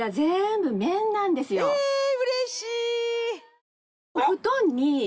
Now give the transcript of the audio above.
えうれしい！